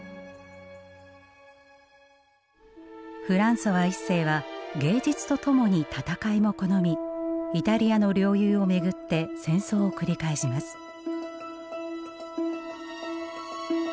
フランソワ一世は芸術とともに戦いも好みイタリアの領有を巡って戦争を繰り返します。